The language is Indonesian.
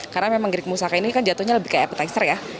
karena memang gerik mausaka ini kan jatuhnya lebih kayak appetizer ya